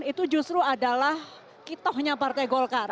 itu justru adalah kitohnya partai golkar